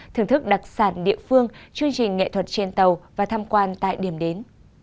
thưởng thức đặc sản địa phương chương trình nghệ thuật trên tàu và tham quan tại điểm đến